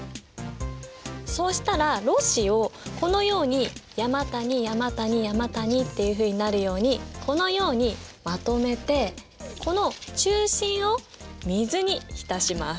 そうしたらろ紙をこのように山谷山谷山谷っていうふうになるようにこのようにまとめてこの中心を水に浸します。